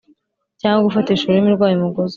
Cyangwa gufatisha ururimi rwayo umugozi